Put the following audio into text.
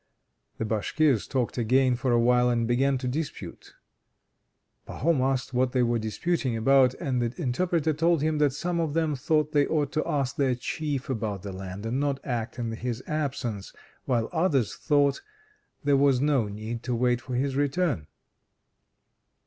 The Bashkirs talked again for a while and began to dispute. Pahom asked what they were disputing about, and the interpreter told him that some of them thought they ought to ask their Chief about the land and not act in his absence, while others thought there was no need to wait for his return.